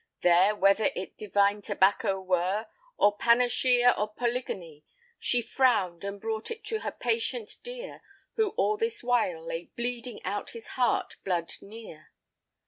There, whether yt divine tobacco were, Or panachæa, or polygony, Shee fownd, and brought it to her patient deare, Who al this while lay bleding out his hart blood neare.